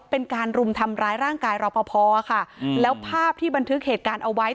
เป็นการรุมทำร้ายร่างกายรอปภค่ะแล้วภาพที่บันทึกเหตุการณ์เอาไว้